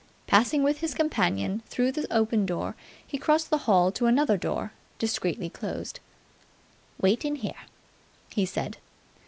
Passing with his companion through the open door, he crossed the hall to another door, discreetly closed. "Wait in here," he said.